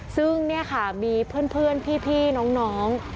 ซึ่งเนี่ยค่ะมีเพื่อนพี่น้อง